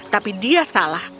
tapi dia salah